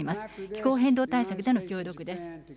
気候変動対策での協力です。